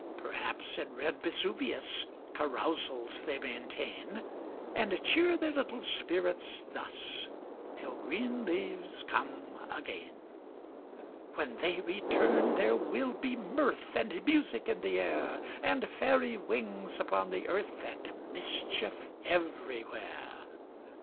Perhaps, in red Vesuvius Carousals they maintain ; And cheer their little spirits thus, Till green leaves come again. When they return, there will be mirth And music in the air, And fairy wings upon the earth, And mischief everywhere.